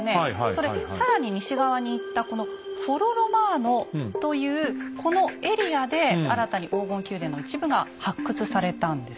それで更に西側に行ったこのフォロ・ロマーノというこのエリアで新たに黄金の宮殿の一部が発掘されたんです。